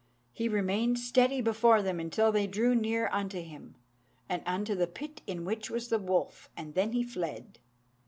He remained steady before them until they drew near unto him, and unto the pit in which was the wolf, and then he fled.